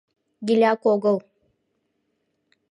— Гиляк огыл.